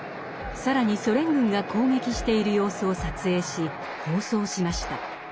更にソ連軍が攻撃している様子を撮影し放送しました。